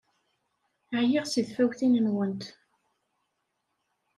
Ɛyiɣ seg tfawtin-nwent!